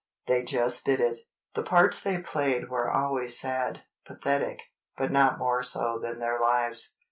They just did it. The parts they played were always sad—pathetic, but not more so than their lives.